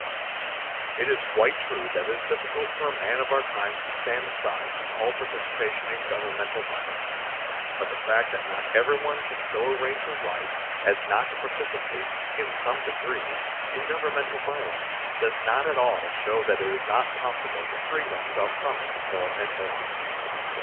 It is quite true that it is difficult for a man of our times to stand aside from all participation in Governmental violence. But the fact that not everyone can so arrange his life as not to participate, in some degree, in Governmental violence, does not at all show that it is not possible to free oneself from it more and more.